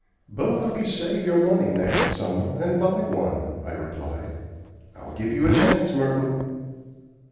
"Both of you save your money next summer, and buy one," I replied; "I'll give you a chance, Merton."